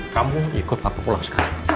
kamu ikut atau pulang sekarang